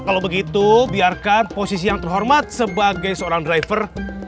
kalau begitu biarkan posisi yang terhormat sebagai seorang driver